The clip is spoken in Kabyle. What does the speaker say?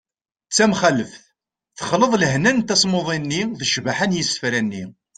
d tamxaleft : texleḍ lehna n tasmuḍi-nni d ccbaḥa n yisefra-nni